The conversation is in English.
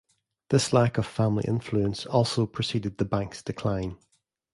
This lack of family influence also preceded the bank's decline.